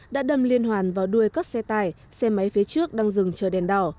đã đâm liên hoàn vào đuôi các xe tải xe máy phía trước đang dừng chờ đèn đỏ